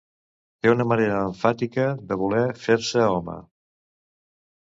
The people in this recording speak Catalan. Té una manera emfàtica de voler fer-se home